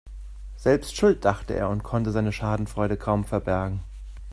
Selbst schuld, dachte er und konnte seine Schadenfreude kaum verbergen.